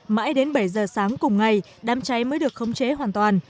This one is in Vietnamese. mãi đến bảy giờ sáng cùng ngày đám cháy mới được khống chế hoàn toàn